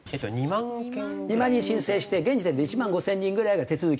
２万人申請して現時点で１万５０００人ぐらいが手続きしてますよ。